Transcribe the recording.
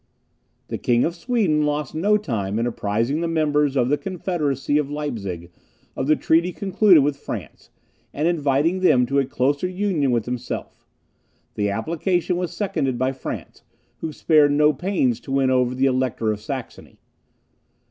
The King of Sweden lost no time in apprizing the members of the confederacy of Leipzig of the treaty concluded with France, and inviting them to a closer union with himself. The application was seconded by France, who spared no pains to win over the Elector of Saxony.